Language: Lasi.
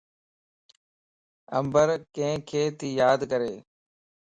عمبر ڪينک تي ياد ڪري؟